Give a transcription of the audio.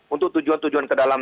untuk tujuan tujuan ke dalam